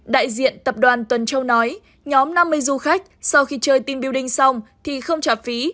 đại diện tập đoàn tuần châu nói nhóm năm mươi du khách sau khi chơi team building xong thì không trả phí